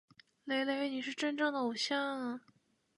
雷雷！你是真正的偶像啊！